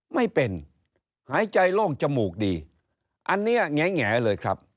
ไม่เป็นหายใจโล่งจมูกดีอันนี้แงเลยครับ